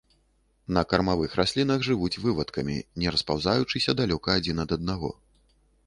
На кармавых раслінах жывуць вывадкамі, не распаўзаючыся далёка адзін ад аднаго.